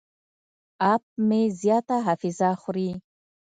اپ مې زیاته حافظه خوري.